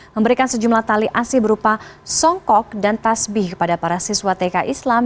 memberikan sejumlah tali asi berupa songkok dan tasbih kepada para siswa tk islam